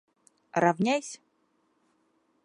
Равняйсь!